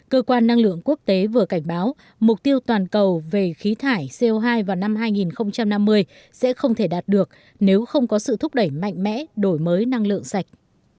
cơ quan năng lượng quốc tế vừa cảnh báo mục tiêu toàn cầu về khí thải co hai vào năm hai nghìn năm mươi sẽ không thể đạt được nếu không có sự thúc đẩy mạnh mẽ đổi mới năng lượng sạch